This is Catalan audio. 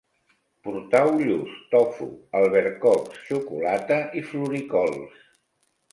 Portau lluç, tofu, albercocs, xocolata i floricols